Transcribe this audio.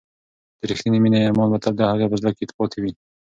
د ریښتینې مینې ارمان به تل د هغې په زړه کې پاتې وي.